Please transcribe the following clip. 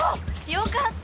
よかった。